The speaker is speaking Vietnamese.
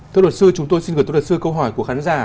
thưa đột sư chúng tôi xin gửi tốt đột sư câu hỏi của khán giả